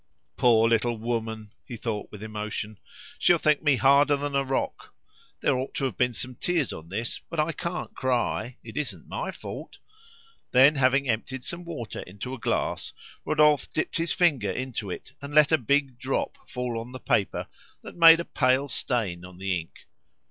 "Poor little woman!" he thought with emotion. "She'll think me harder than a rock. There ought to have been some tears on this; but I can't cry; it isn't my fault." Then, having emptied some water into a glass, Rodolphe dipped his finger into it, and let a big drop fall on the paper, that made a pale stain on the ink.